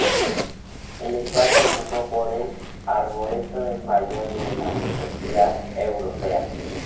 El espacio ocupado por el Arboreto es el mayor de una universidad europea.